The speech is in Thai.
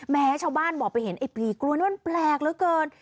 ชาวบ้านบอกไปเห็นไอ้พลีกลัวนี่มันแปลกเหลือเกิน